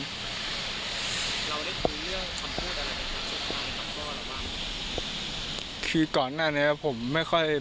เราได้คุยเรื่องคำพูดอะไรกับครอบครัวแล้วบ้าง